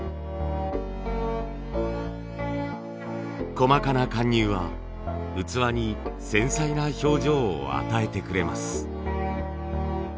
細かな貫入は器に繊細な表情を与えてくれます。